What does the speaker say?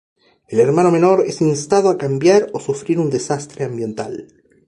El hermano menor es instado a cambiar o sufrir un desastre ambiental.